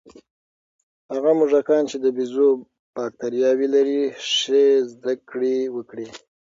هغه موږکان چې د بیزو بکتریاوې لري، ښې زده کړې وکړې.